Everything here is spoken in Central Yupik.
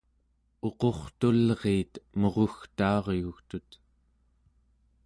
uqurtulriit murugtaaryugtut